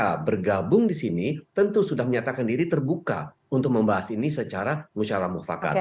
nah bergabung di sini tentu sudah menyatakan diri terbuka untuk membahas ini secara musyawarah mufakat